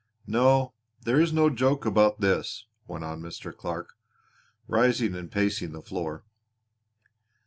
No, there is no joke about this," went on Mr. Clark, rising and pacing the floor.